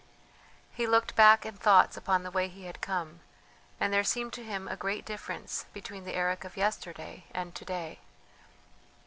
He looked back in thoughts upon the way he had come, and there seemed to him a great difference between the Eric of yesterday and to day.